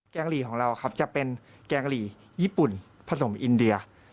งหลีของเราครับจะเป็นแกงหลีญี่ปุ่นผสมอินเดีย